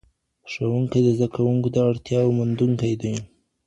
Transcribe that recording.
ښوونکی د زدهکوونکو د اړتیاوو موندونکی دی.